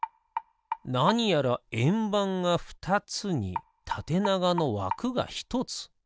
なにやらえんばんがふたつにたてながのわくがひとつ。